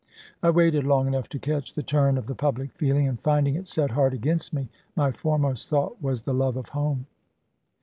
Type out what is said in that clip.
I waited long enough to catch the turn of the public feeling, and finding it set hard against me, my foremost thought was the love of home.